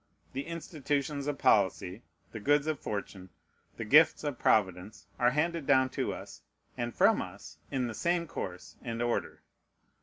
The institutions of policy, the goods of fortune, the gifts of Providence, are handed down to us, and from us, in the same course and order.